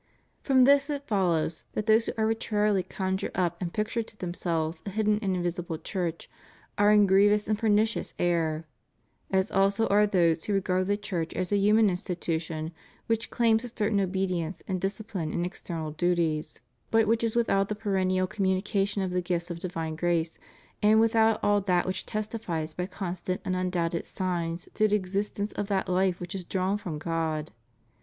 From this it follows that those who arbitrarily conjure up and picture to themselves a hidden and invisible Church are in grievous and pernicious error, as also are those who regard the Church as a human institution which claims a certain obedience in discipline and external duties, but which is without the perennial communication of the gifts of divine grace, and without all that which testifies by constant and undoubted signs to the existence of that life which is drawn from God.